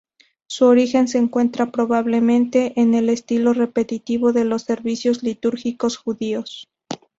Su origen se encuentra probablemente en el estilo repetitivo de los servicios litúrgicos judíos.